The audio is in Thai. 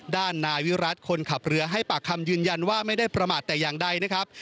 ด้านนายวิรัติคนขับเรือให้ปากคำยืนยันว่าไม่ได้ประมาทแต่อย่างใดนะครับ